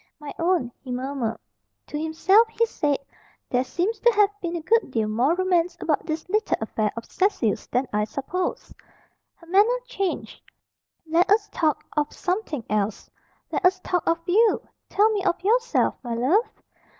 "My own," he murmured. To himself he said, "There seems to have been a good deal more romance about this little affair of Cecil's than I supposed." Her manner changed. "Let us talk of something else! Let us talk of you. Tell me of yourself, my love!"